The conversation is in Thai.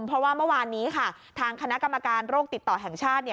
เพราะว่าเมื่อวานนี้ค่ะทางคณะกรรมการโรคติดต่อแห่งชาติ